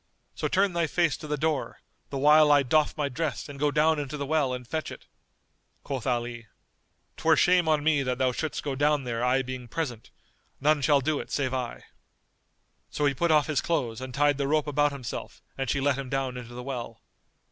So turn thy face to the door, the while I doff my dress and go down into the well and fetch it." Quoth Ali, "'Twere shame on me that thou shouldst go down there I being present; none shall do it save I." So he put off his clothes and tied the rope about himself and she let him down into the well.